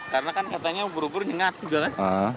karena kan katanya ubur ubur nyengat juga kan